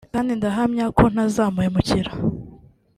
kandi ndahamya ko ntazamuhemukira